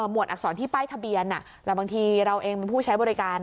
วดอักษรที่ป้ายทะเบียนแต่บางทีเราเองเป็นผู้ใช้บริการ